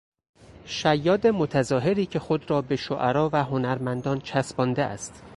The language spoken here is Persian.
شیاد متظاهری که خود را به شعرا و هنرمندان چسبانده است